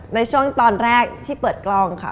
ในช่วงตอนแรกที่เปิดกล้องค่ะ